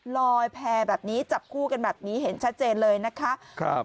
ลอยแพร่แบบนี้จับคู่กันแบบนี้เห็นชัดเจนเลยนะคะครับ